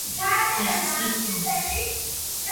მიეკუთვნება პაისის რეგიონს.